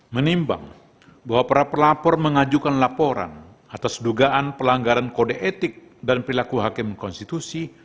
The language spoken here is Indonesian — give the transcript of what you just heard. menimbang bahwa para pelapor mengajukan laporan atas dugaan pelanggaran kode etik dan perilaku hakim konstitusi